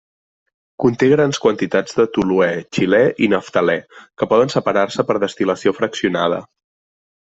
Conté grans quantitats de toluè, xilè i naftalè, que poden separar-se per destil·lació fraccionada.